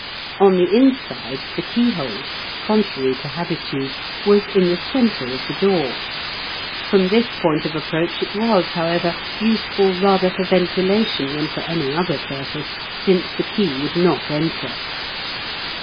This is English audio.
On the inside the keyhole, contrary to habitude, was in the centre of the door. From this point of approach it was, however, useful rather for ventilation than for any other purpose, since the key would not enter.